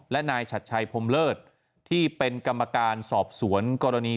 และนายชัดชัยพรมเลิศที่เป็นกรรมการสอบสวนกรณี